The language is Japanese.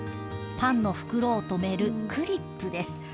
パンの袋を留めるクリップです。